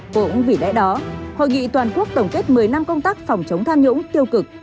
cũng vì lẽ đó hội nghị toàn quốc tổng kết một mươi năm công tác phòng chống tham nhũng tiêu cực